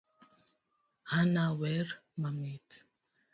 Anna wer mamit.